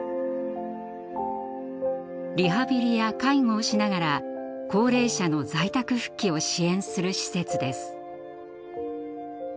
リハビリや介護をしながら高齢者の在宅復帰を支援する施設です。